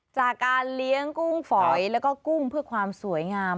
จากการเลี้ยงกุ้งฝอยแล้วก็กุ้งเพื่อความสวยงาม